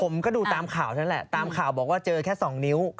ผมก็ดูตามข่าวนั่นแหละตามข่าวบอกว่าเจอแค่๒นิ้ว